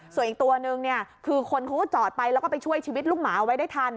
ส่วนอีกตัวนึงเนี่ยคือคนเขาก็จอดไปแล้วก็ไปช่วยชีวิตลูกหมาเอาไว้ได้ทัน